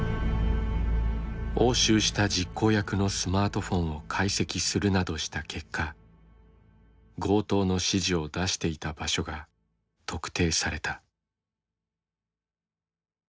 押収した実行役のスマートフォンを解析するなどした結果強盗の指示を出していた場所が特定された。